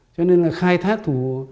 cho nên là khai thác